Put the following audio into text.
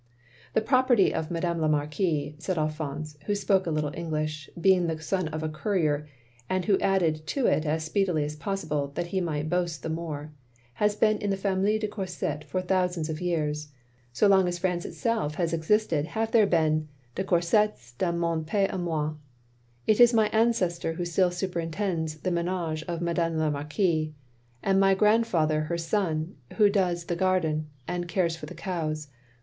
"The property of Madame la Marquise," said Alphonse, who spoke a little English, being the son of a courier, and who added to it as speedily as possible, that he might boast the more, "has been in the famille de Courset for thousands of years* so long as France itself has existed have OF GROSVENOR SQUARE 341 there been de Cotirsets dans mon pays k moi. It is my ancestor who still superintends the m6nage of Madame la Marquise, and my grand father her son, who does the gardto — ^and cares for the cows.